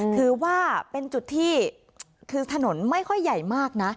ถือว่าเป็นจุดที่คือถนนไม่ค่อยใหญ่มากนะ